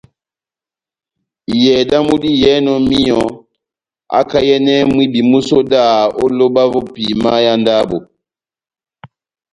Iyɛhɛ damu diyɛhɛnɔ míyɔ akayɛnɛ mwibi músodaha ó lóba vó epima yá ndabo.